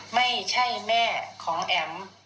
ไม่ใช่แม่ของแอ๋ม